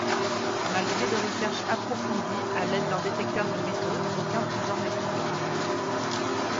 Malgré des recherches approfondies à l'aide d'un détecteur de métaux, aucun trésor n'est trouvé.